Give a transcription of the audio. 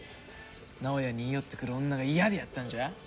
直哉に言い寄ってくる女が嫌でやったんじゃ？